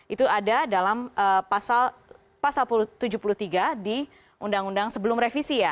itu ada dalam pasal tujuh puluh tiga di undang undang sebelum revisi ya